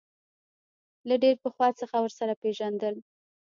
له ډېر پخوا څخه ورسره پېژندل.